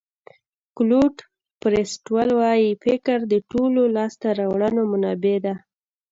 کلوډ بریسټول وایي فکر د ټولو لاسته راوړنو منبع ده.